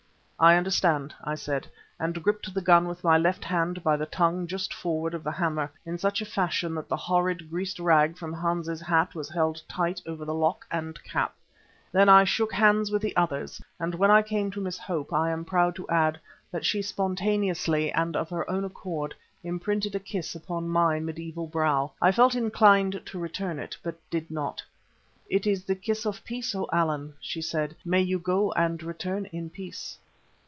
"I understand," I said, and gripped the gun with my left hand by the tongue just forward of the hammer, in such a fashion that the horrid greased rag from Hans's hat was held tight over the lock and cap. Then I shook hands with the others and when I came to Miss Hope I am proud to add that she spontaneously and of her own accord imprinted a kiss upon my mediaeval brow. I felt inclined to return it, but did not. "It is the kiss of peace, O Allan," she said. "May you go and return in peace."